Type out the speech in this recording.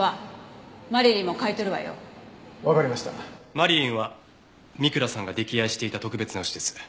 マリリンは三倉さんが溺愛していた特別な牛です。